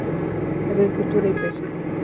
Agricultura y pesca.